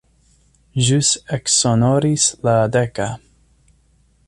Ĵus eksonoris la deka.